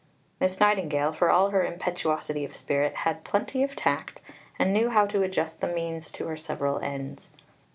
Miss Nightingale, for all her impetuosity of spirit, had plenty of tact, and knew how to adjust the means to her several ends.